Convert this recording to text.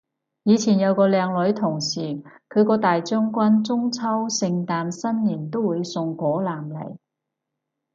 以前有個靚女同事，佢個大將軍中秋聖誕新年都會送果籃嚟